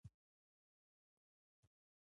له دې مرکزونو لیکدود نورو سیمو ته خپور شو.